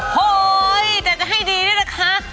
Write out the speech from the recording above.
แต่จะให้ดีนี่แหละค่ะ